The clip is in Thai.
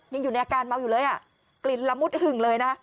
ยังอยู่ในอาการเมาอยู่เลยอ่ะกลิ่นละมุดหึงเลยนะ